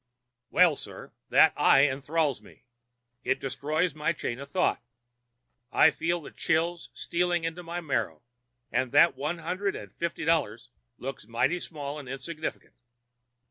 "Well, sir, that eye enthralls me. It destroys my chain of thought. I feel the chills stealing into my marrow, and that one hundred and fifty dollars looks mighty small and insignificant.